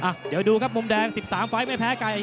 เดี๋ยวดูครับมุมแดง๑๓ไฟล์ไม่แพ้ไก่